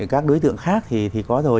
các đối tượng khác thì có rồi